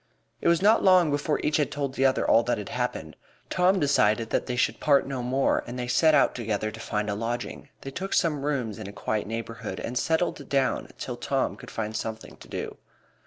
It was not long before each had told the other all that had happened. Tom decided that they should part no more, and they set out together to find a lodging. They took some rooms in a quiet neighborhood and settled down together till Tom could find something to do.